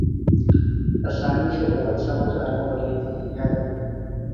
آسانی سے بات سمجھ آنے والی نہیں ہے۔